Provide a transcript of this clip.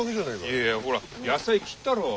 いやいやほら野菜切ったろう。